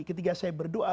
ketika saya berdoa